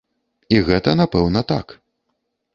І гэта, напэўна, так.